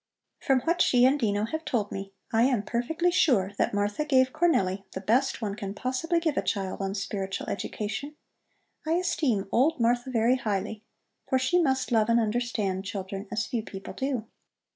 From what she and Dino have told me I am perfectly sure that Martha gave Cornelli the best one can possibly give a child on spiritual education. I esteem old Martha very highly, for she must love and understand children as few people do."